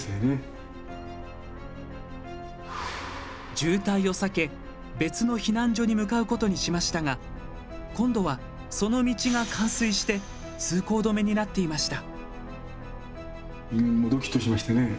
渋滞を避け、別の避難所に向かうことにしましたが今度はその道が冠水して通行止めになっていました。